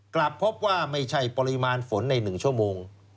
กลับพบว่าไม่ใช่ปริมาณฝนใน๑ชั่วโมง